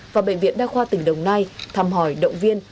và bệnh viện đa khoa tỉnh đồng nai thăm hỏi động viên